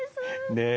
ねえ。